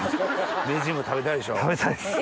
名人も食べたいでしょ？